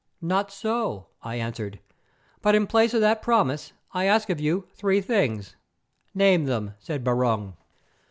"Not so," I answered; "but in place of that promise I ask of you three things." "Name them," said Barung.